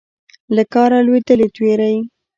له کاره لوېدلې تیورۍ